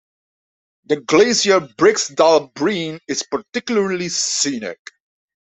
The glacier Briksdalsbreen is particularly scenic.